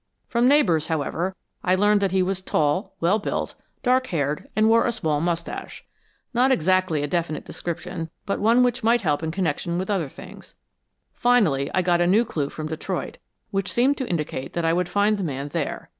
From neighbors, however, I learned that he was tall, well built, dark haired and wore a small mustache. Not exactly a definite description, but one which might help in connection with other things. Finally, I got a new clue from Detroit, which seemed to indicate that I would find the man there.